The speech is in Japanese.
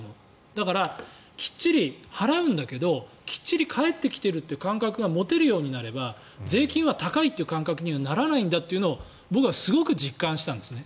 だから、きっちり払うんだけどきっちり返ってきている感覚が持てるようになれば税金は高いという感覚にはならないんだというのを僕はすごく実感したんですね。